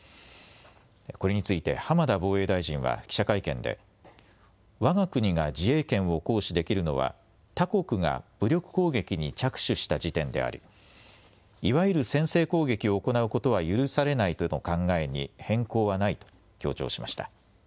これについて浜田防衛大臣は記者会見でわが国が自衛権を行使できるのは他国が武力攻撃に着手した時点でありいわゆる先制攻撃を行うことは許されないとの考えに変更はないと強調しました。